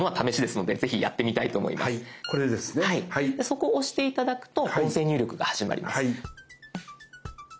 そこを押して頂くと音声入力が始まります。